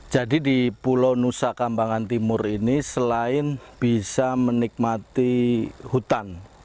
jadi di pulau nusa kambangan timur ini selain bisa menikmati hutan